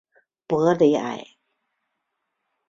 博雷埃。